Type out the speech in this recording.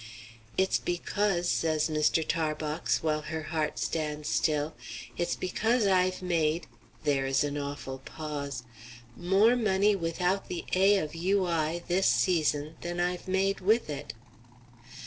"It's because," says Mr. Tarbox, while her heart stands still, "it's because I've made" there is an awful pause "more money without the 'A. of U. I.' this season than I've made with it."